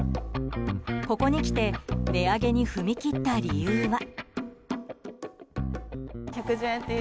ここにきて値上げに踏み切った理由は。